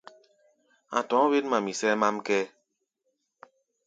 A̧ tɔ̧ɔ̧́ wěn-mami, sʼɛ́ɛ́ mám kʼɛ́ɛ́.